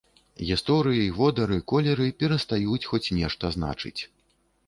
Гісторыі, водары, колеры перастаюць хоць нешта значыць.